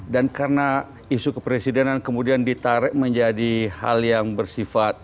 dan karena isu kepresidenan kemudian ditarik menjadi hal yang bersifat